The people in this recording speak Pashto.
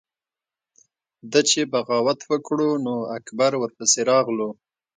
ده چې بغاوت وکړو نو اکبر ورپسې راغلو۔